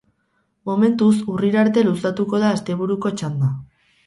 Momentuz urrira arte luzatuko da asteburuko txanda.